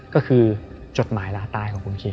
ก็คือจดหมายลาตายของคุณเค